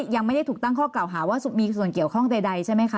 ยังไม่ได้ถูกตั้งข้อกล่าวหาว่ามีส่วนเกี่ยวข้องใดใช่ไหมคะ